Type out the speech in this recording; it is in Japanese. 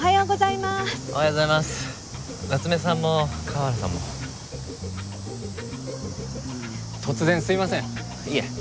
いえ。